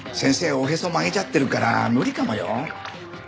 おへそ曲げちゃってるから無理かもよ。